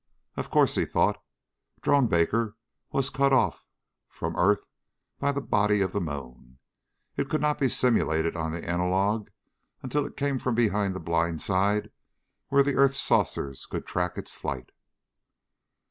Of course, he thought, Drone Baker was cut off from earth by the body of the moon. It could not be simulated on the analog until it came from behind the blind side where the earth saucers could track its flight.